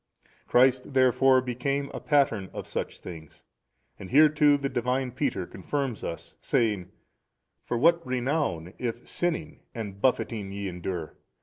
Christ therefore became a pattern of such things, and hereto the divine Peter confirms us saying, For what renown if sinning and buffeted ye endure?